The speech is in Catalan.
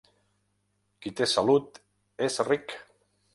Qui té salut és ric.